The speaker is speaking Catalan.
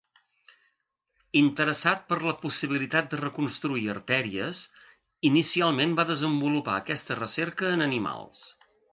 Interessat per la possibilitat de reconstruir artèries, inicialment va desenvolupar aquesta recerca en animals.